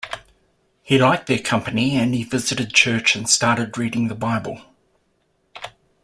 He liked their company and he visited church and started reading the Bible.